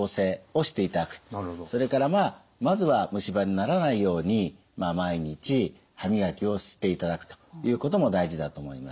それからまあまずは虫歯にならないように毎日歯磨きをしていただくということも大事だと思います。